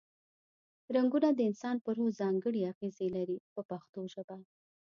رنګونه د انسان په روح ځانګړې اغیزې لري په پښتو ژبه.